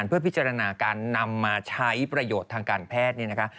เพื่อพิจารณาการนำมาใช้ประโยชน์ทางการแพทย์นี่นะคะ